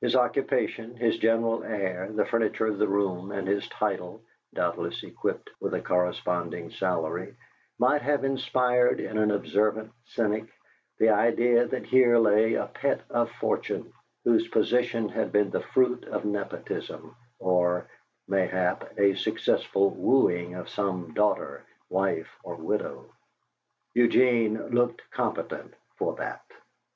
His occupation, his general air, the furniture of the room, and his title (doubtless equipped with a corresponding salary) might have inspired in an observant cynic the idea that here lay a pet of Fortune, whose position had been the fruit of nepotism, or, mayhap, a successful wooing of some daughter, wife, or widow. Eugene looked competent for that.